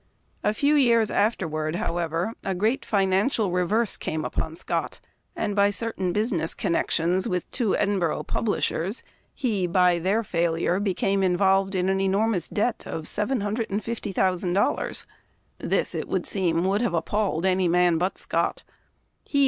A few years afterward, however, a great financial reverse came upon Scott, and by certain business connections with two Edinburgh publishers he, by their failure, became in volved in an enormous debt of $750,000 ! This, it would seem, would have appalled any man but Scott. He.